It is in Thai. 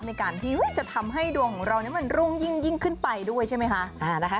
ในการที่จะทำให้ดวงของเรามันรุ่งยิ่งขึ้นไปด้วยใช่ไหมคะ